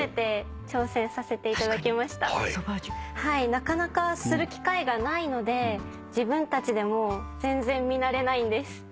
なかなかする機会がないので自分たちでも全然見慣れないんです。